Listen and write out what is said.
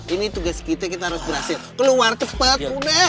ini tugas kita kita harus berhasil keluar cepat udah